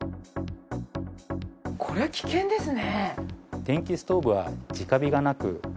これは危険ですね。